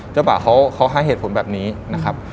เจ้าบ่าเขาให้เหตุผลแบบนี้นะครับ